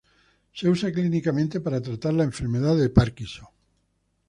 Se usa clínicamente para tratar la enfermedad de Parkinson.